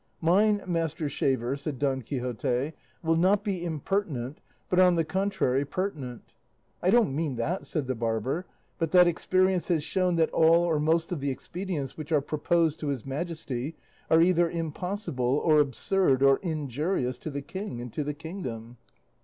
"Mine, master shaver," said Don Quixote, "will not be impertinent, but, on the contrary, pertinent." "I don't mean that," said the barber, "but that experience has shown that all or most of the expedients which are proposed to his Majesty are either impossible, or absurd, or injurious to the King and to the kingdom."